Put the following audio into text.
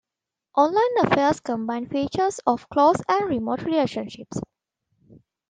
Online affairs combine features of close and remote relationships.